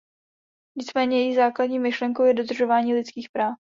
Nicméně její základní myšlenkou je dodržování lidských práv.